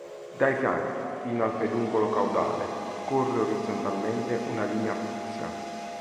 Dai fianchi, fino al peduncolo caudale, corre orizzontalmente una linea fucsia.